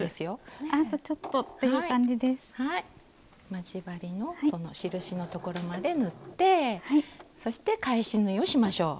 待ち針の印のところまで縫ってそして返し縫いをしましょう。